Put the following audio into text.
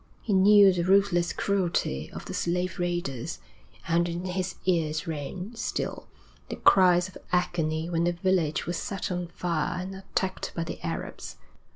He knew the ruthless cruelty of the slave raiders, and in his ears rang, still, the cries of agony when a village was set on fire and attacked by the Arabs.